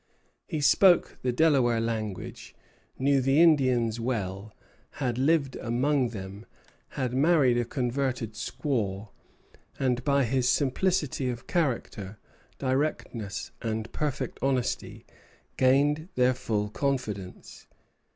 He spoke the Delaware language, knew the Indians well, had lived among them, had married a converted squaw, and, by his simplicity of character, directness, and perfect honesty, gained their full confidence.